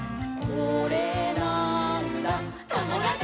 「これなーんだ『ともだち！』」